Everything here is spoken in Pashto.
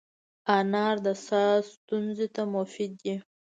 انار د ساه ستونزو ته مفید دی.